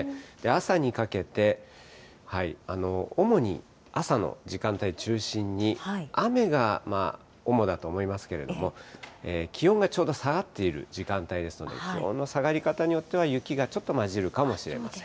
朝にかけて、主に朝の時間帯を中心に、雨が主だと思いますけれども、気温がちょうど下がっている時間帯ですので、気温の下がり方によっては、雪がちょっと交じるかもしれません。